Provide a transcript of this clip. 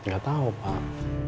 gak tau pak